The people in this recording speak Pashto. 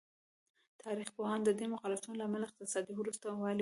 تاریخ پوهان د دې مخالفتونو لاملونه اقتصادي وروسته والی بولي.